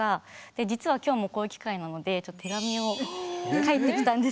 で実は今日もこういう機会なのでちょっと手紙を書いてきたんですけど。